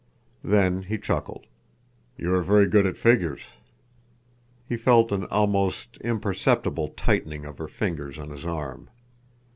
Then he chuckled. "You are very good at figures." He felt an almost imperceptible tightening of her fingers on his arm.